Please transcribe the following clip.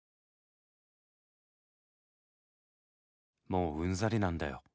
「もううんざりなんだよ。